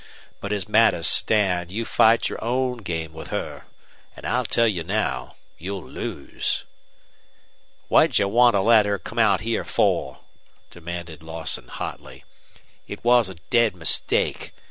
But as matters stand, you fight your own game with her. And I'll tell you now you'll lose." "What'd you want to let her come out here for?" demanded Lawson, hotly. "It was a dead mistake.